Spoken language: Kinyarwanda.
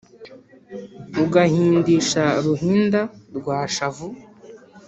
ugahindisha ruhinda rwashavu